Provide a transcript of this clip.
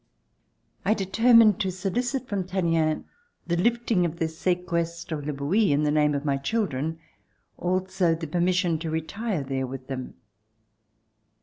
I determined to solicit from Tallien the lifting of the sequestre of Le Bouilh in the name of my children, also the permission to retire there with them.